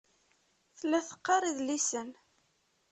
Tella teqqar idlisen.